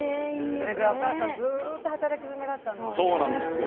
それぐらいずっとお母さん働き詰めだったんですね。